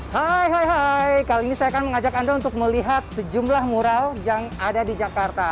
hai hai hai kali ini saya akan mengajak anda untuk melihat sejumlah mural yang ada di jakarta